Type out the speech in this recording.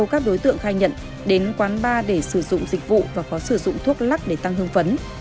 các đối tượng khai nhận đến quán bar để sử dụng dịch vụ và có sử dụng thuốc lắc để tăng hương phấn